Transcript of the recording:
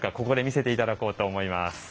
ここで見せて頂こうと思います。